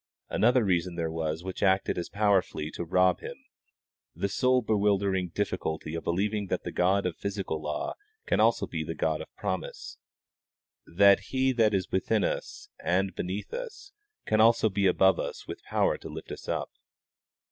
Another reason there was which acted as powerfully to rob him the soul bewildering difficulty of believing that the God of physical law can also be the God of promise, that He that is within us and beneath us can also be above us with power to lift us up.